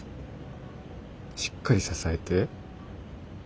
しっかり支えて。